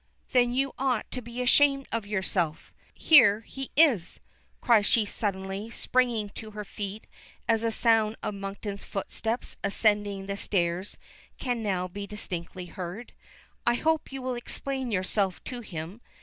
Then you ought to be ashamed of yourself! Here he is," cries she suddenly, springing to her feet as the sound of Monkton's footsteps ascending the stairs can now be distinctly heard. "I hope you will explain yourself to him."